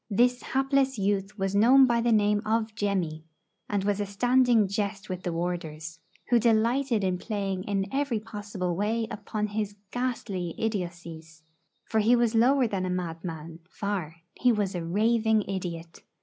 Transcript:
This hapless youth was known by the name of 'Jemmy,' and was a standing jest with the warders, who delighted in playing in every possible way upon his ghastly idiotcies. For he was lower than a madman, far; he was a raving idiot.